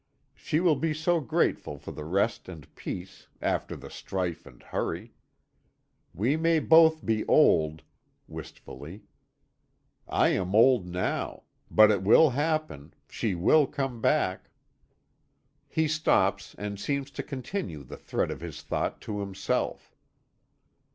She will be so grateful for the rest and peace, after the strife and hurry. We may both be old," wistfully. "I am old now; but it will happen she will come back." He stops and seems to continue the thread of his thought to himself.